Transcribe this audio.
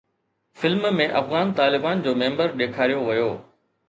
film ۾ Afghan Taliban جو member ڏيکاريو ويو